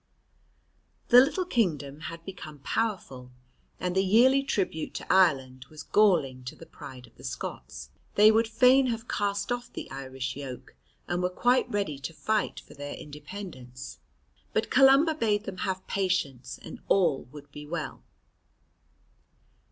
The little kingdom had become powerful, and the yearly tribute to Ireland was galling to the pride of the Scots. They would fain have cast off the Irish yoke, and were quite ready to fight for their independence, but Columba bade them have patience, and all would be well.